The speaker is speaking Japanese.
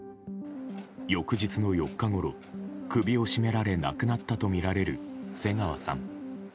翌日の４日ごろ、首を絞められ亡くなったとみられる瀬川さん。